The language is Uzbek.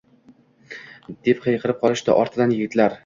deb qiyqirib qolishdi ortidan yigitlar